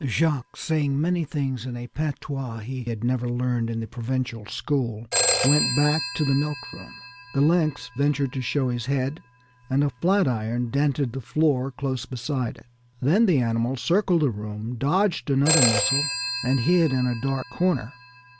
Jacques, saying many things in a patois he had never learned in the provincial school, went back to the milk room. The lynx ventured to show his head, and a flat iron dented the floor close beside it. Then the animal circled the room, dodged another missile, and hid in a dark corner.